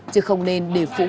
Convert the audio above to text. chứ không nên để phụ huynh